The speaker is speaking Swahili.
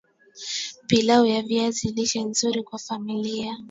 Pilau ya viazi lishe nzuri kwa familia